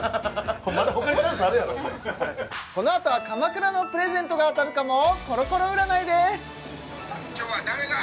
まだ他にチャンスあるやろこのあとは鎌倉のプレゼントが当たるかもコロコロ占いです